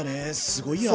すごいや！